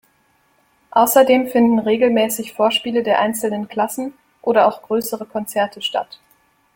Außerdem finden regelmäßig Vorspiele der einzelnen Klassen oder auch größere Konzerte statt.